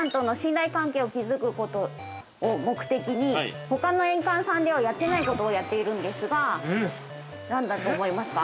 当園では象さんとの信頼関係を、築くことを目的にほかの園ではやってないことをやっているんですが、何だと思いますか。